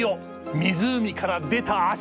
湖から出た脚！